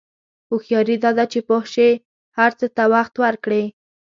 هوښیاري دا ده چې پوه شې هر څه ته وخت ورکړې.